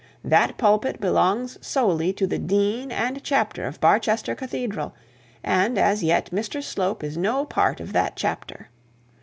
That pulpit belongs to the dean and chapter of Barchester Cathedral, and, as yet, Mr Slope is no part of that chapter.